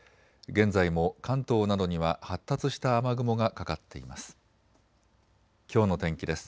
現在も関東などには発達した雨雲がかかっています。